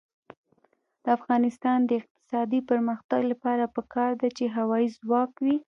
د افغانستان د اقتصادي پرمختګ لپاره پکار ده چې هوایی ځواک وي.